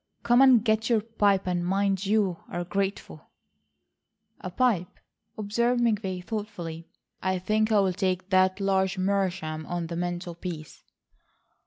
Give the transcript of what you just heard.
Come and get your pipe and mind you are grateful." "A pipe," observed McVay thoughtfully. "I think I'll take that large meerschaum on the mantelpiece."